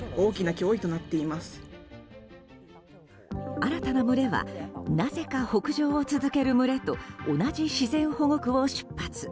新たな群れはなぜか北上を続ける群れと同じ自然保護区を出発。